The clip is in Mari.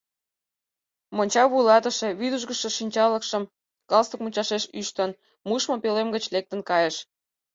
Монча вуйлатыше, вӱдыжгышӧ шинчалыкшым галстук мучашеш ӱштын, мушмо пӧлем гыч лектын кайыш.